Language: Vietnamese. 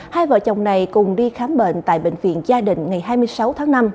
hai vợ chồng này cùng đi khám bệnh tại bệnh viện gia đình ngày hai mươi sáu tháng năm